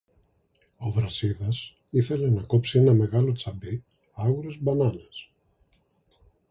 Ο Βρασίδας ήθελε να κόψει ένα μεγάλο τσαμπί άγουρες μπανάνες